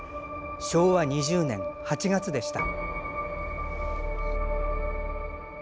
昭和２０年８月でした。